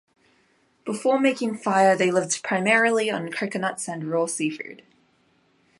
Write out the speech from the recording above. Before making fire they lived primarily on coconuts and raw seafood.